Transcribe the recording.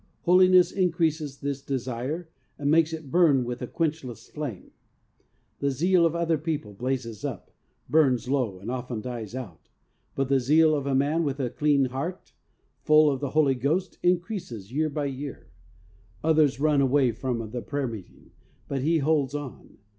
Holiness increases this desire, and makes it burn with a quenchless flame. The zeal of other people blazes up, burns low, and often dies out, but the zeal of a man with a clean heart, full of the Holy Ghost, increases year by year. Others run away from the Prayer Meeting, but he holds on.